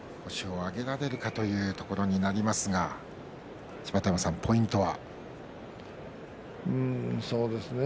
昇進の起点となる星を挙げられるかというところになりますが芝田山さん、ポイントは？